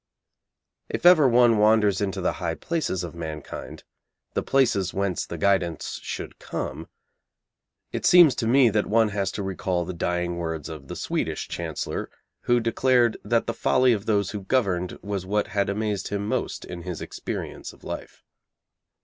If ever one wanders into the high places of mankind, the places whence the guidance should come, it seems to me that one has to recall the dying words of the Swedish Chancellor who declared that the folly of those who governed was what had amazed him most in his experience of life.